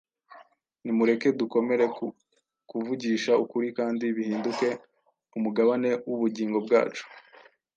Nimureke dukomere ku kuvugisha ukuri kandi bihinduke umugabane w’ubugingo bwacu.